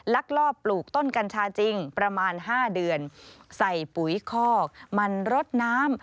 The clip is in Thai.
ลักลอบปลูกต้นกัญชาจริงประมาณ๕เดือนใส่ปุ๋ยคอกมันรดน้ำ